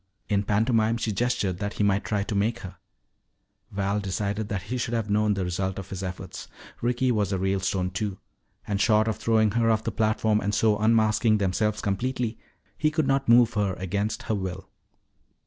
In pantomime she gestured that he might try to make her. Val decided that he should have known the result of his efforts. Ricky was a Ralestone, too. And short of throwing her off the platform and so unmasking themselves completely, he could not move her against her will.